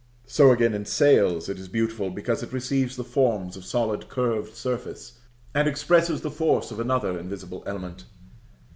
So, again, in sails it is beautiful because it receives the forms of solid curved surface, and expresses the force of another invisible element.